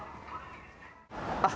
あ！